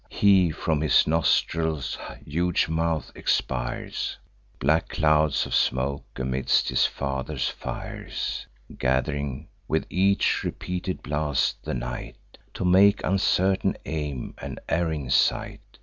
He, from his nostrils huge mouth, expires Black clouds of smoke, amidst his father's fires, Gath'ring, with each repeated blast, the night, To make uncertain aim, and erring sight.